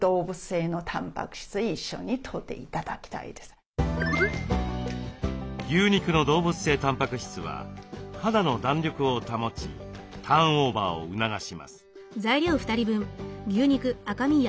最後は牛肉の動物性たんぱく質は肌の弾力を保ちターンオーバーを促します。